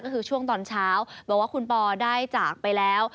ก็คือช่วงตอนเช้าบอกว่าคุณปอได้จากไปแล้ว